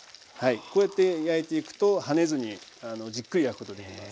こうやって焼いていくと跳ねずにじっくり焼くことできます。